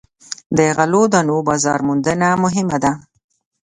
د غلو دانو بازار موندنه مهمه ده.